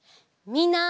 みんな！